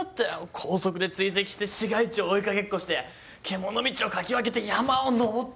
高速で追跡して市街地を追いかけっこして獣道をかき分けて山を登って。